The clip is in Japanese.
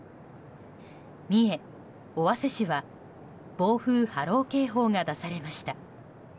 三重・尾鷲市は暴風・波浪警報が出されました。